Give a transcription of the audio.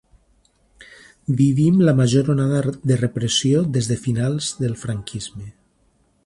Vivim la major onada de repressió des de de finals del franquisme.